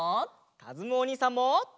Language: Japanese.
かずむおにいさんも！